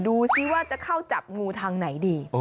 ดูสิว่าจะเข้าจับงูทางไหนดี